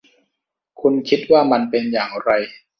คุณคิดว่ามันเป็นอย่างไร